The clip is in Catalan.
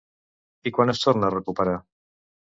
I quan es torna a recuperar?